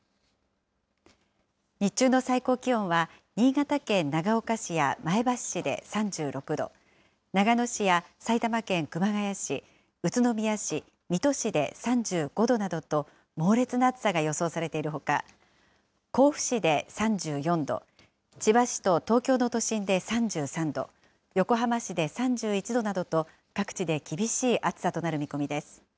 日中の最高気温は、新潟県長岡市や前橋市で３６度、長野市や埼玉県熊谷市、宇都宮市、水戸市で３５度などと、猛烈な暑さが予想されているほか、甲府市で３４度、千葉市と東京の都心で３３度、横浜市で３１度などと、各地で厳しい暑さとなる見込みです。